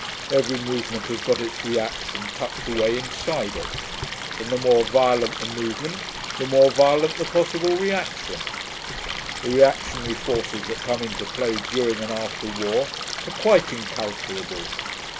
Every movement has got its reaction tucked away inside it; and the more violent the movement, the more violent the possible reaction. The reactionary forces that come into play during and after war are quite incalculable.